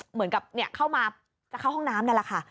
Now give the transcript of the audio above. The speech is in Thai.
เหมือนกับเข้ามาจะเข้าห้องน้ำนั่นแหละค่ะ